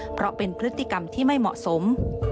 เพราะเป็นพฤติกรรมที่ไม่เหมาะสม